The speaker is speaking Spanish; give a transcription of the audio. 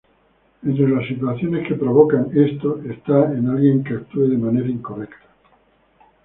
Entre las situaciones que provocan esto, está en alguien que actúe de manera incorrecta.